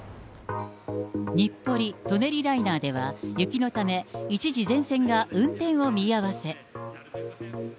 日暮里・舎人ライナーでは雪のため一時全線が運転を見合わせ。